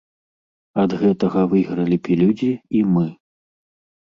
Ад гэтага выйгралі б і людзі, і мы.